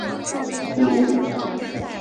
二战后改为云林县虎尾镇。